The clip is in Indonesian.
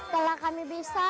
kalau kami bisa